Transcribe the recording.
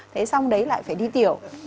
thế xong đấy lại phải đi tiểu